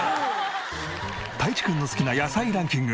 たいちくんの好きな野菜ランキング